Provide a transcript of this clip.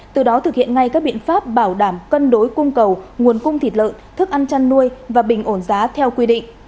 từ đó thực hiện ngay các biện pháp bảo đảm cân đối cung cầu nguồn cung thịt lợn thức ăn chăn nuôi và bình ổn giá theo quy định